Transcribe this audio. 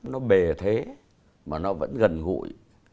nó bề thế mà nó vẫn gần gũi